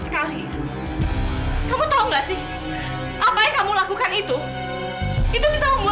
evita gak tau siapa ibu kandung evita mama